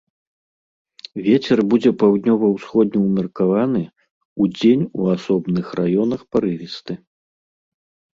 Вецер будзе паўднёва-ўсходні ўмеркаваны, удзень у асобных раёнах парывісты.